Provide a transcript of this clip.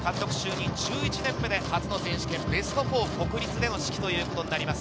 監督就任１１年目で初のベスト４、国立での指揮となります。